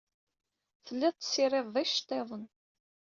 Telliḍ tessirideḍ iceṭṭiḍen.